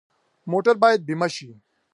موټر باید بیمه شي.